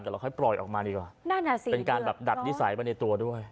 แต่เราค่อยปล่อยออกมาดีกว่านั่นอ่ะสิเป็นการแบบดัดนิสัยไปในตัวด้วย